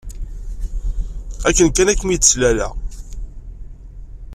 Akken kan ad kem-id-slaleɣ